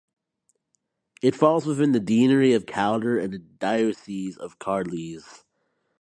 It falls within the deanery of Calder and the diocese of Carlisle.